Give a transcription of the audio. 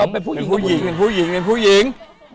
เป็นผู้หญิงเป็นผู้หญิงเป็นผู้หญิง